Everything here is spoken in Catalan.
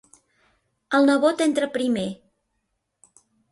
El nebot entra primer.